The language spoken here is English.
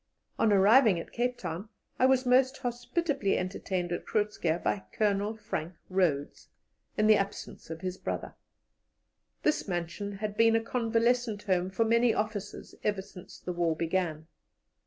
On arriving at Cape Town, I was most hospitably entertained at Groot Schuurr by Colonel Frank Rhodes, in the absence of his brother. This mansion had been a convalescent home for many officers ever since the war began.